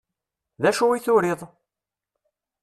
D acu i turiḍ?